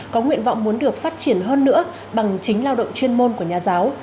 có nguyện vọng muốn được phát triển hơn nữa bằng chính lao động chuyên môn của nhà giáo